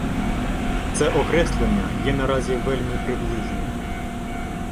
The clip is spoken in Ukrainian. Це окреслення є наразі вельми приблизним.